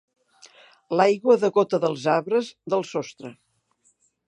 L'aigua degota dels arbres, del sostre.